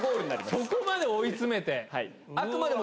そこまで追い詰めて！